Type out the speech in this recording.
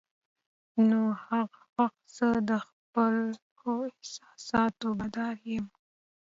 نو هغه وخت زه د خپلو احساساتو بادار یم.